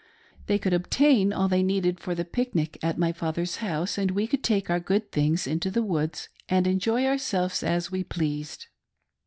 They could obtain all they needed for the pic nic at my father's house, and we could take our good things into the woods and enjoy ourselves as we pleased.